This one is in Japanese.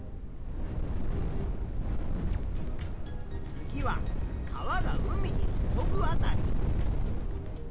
次は川が海に注ぐ辺り。